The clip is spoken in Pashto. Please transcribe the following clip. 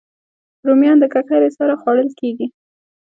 رومیان د ککرې سره خوړل کېږي